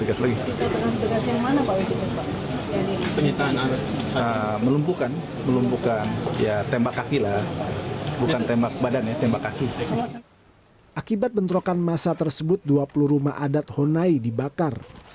akibat bentrokan masa tersebut dua puluh rumah adat honai dibakar